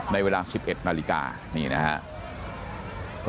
ในเวลา๑๑นาฬิกานี่นะครับ